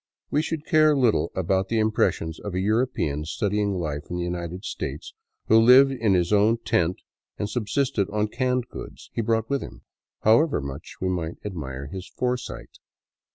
We should care little about the impressions of a European studying life in the United States who lived in his own tent and subsisted on canned goods he brought with him, however much we might admire his foresight.